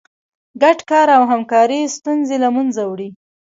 ګډ کار او همکاري ستونزې له منځه وړي.